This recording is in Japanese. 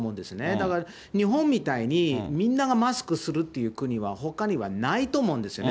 だから、日本みたいにみんながマスクするっていう国は、ほかにはないと思うんですよね。